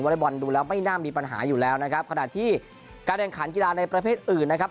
เล็กบอลดูแล้วไม่น่ามีปัญหาอยู่แล้วนะครับขณะที่การแข่งขันกีฬาในประเภทอื่นนะครับ